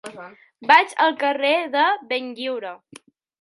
Vaig al carrer de Benlliure.